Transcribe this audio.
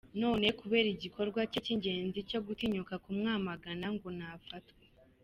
None kubera igikorwa cye cy’ingenzi cyogutinyuka kumwamagana ngo ni afatwe!